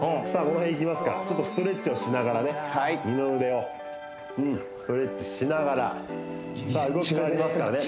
この辺いきますかちょっとストレッチをしながらね二の腕をストレッチしながらさあ動き変わりますからね